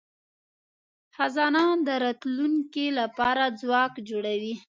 خزانه د راتلونکي لپاره ځواک جوړوي.